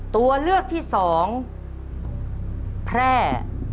ตัวเลือกที่๒แพร่